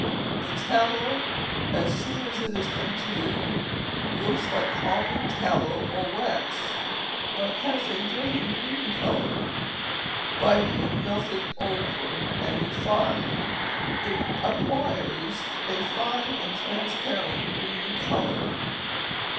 The tallow, as soon as it is congealed, looks like common tallow or wax, but has a dirty green color. By being melted over and refined it acquires a fine and transparent green color.